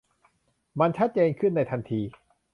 มันชัดเจนขึ้นในทันที